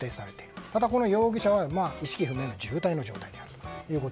またこの容疑者は意識不明の重体の状態であるということ。